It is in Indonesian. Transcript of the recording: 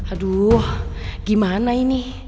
aduh gimana ini